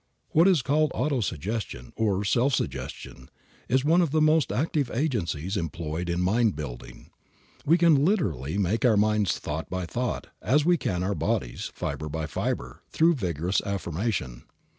What is called auto suggestion, or self suggestion, is one of the most active agencies employed in mind building. We can literally make our minds, thought by thought, as we can our bodies, fiber by fiber, through vigorous affirmation.